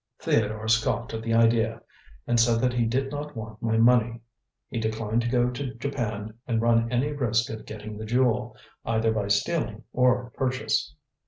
"Theodore scoffed at the idea, and said that he did not want my money. He declined to go to Japan and run any risk of getting the jewel, either by stealing or purchase."